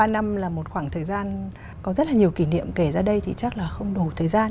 ba năm là một khoảng thời gian có rất là nhiều kỷ niệm kể ra đây thì chắc là không đủ thời gian